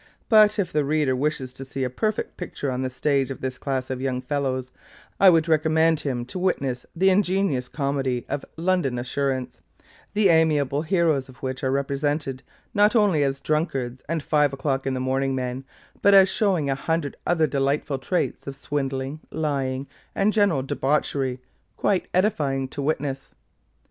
But if the reader wishes to see a perfect picture on the stage of this class of young fellows, I would recommend him to witness the ingenious comedy of LONDON ASSURANCE the amiable heroes of which are represented, not only as drunkards and five o'clock in the morning men, but as showing a hundred other delightful traits of swindling, lying, and general debauchery, quite edifying to witness.